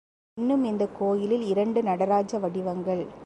இன்னும் இந்தக் கோயிலில் இரண்டு நடராஜ வடிவங்கள்.